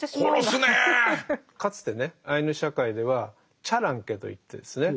かつてねアイヌ社会では「チャランケ」といってですね